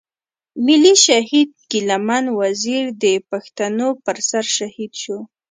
ملي شهيد ګيله من وزير د پښتنو پر سر شهيد شو.